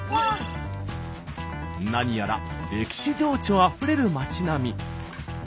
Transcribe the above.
何やら歴史情緒あふれる町並み。